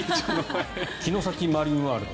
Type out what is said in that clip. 城崎マリンワールド。